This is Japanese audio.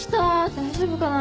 大丈夫かな？